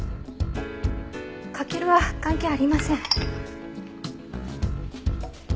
翔は関係ありません。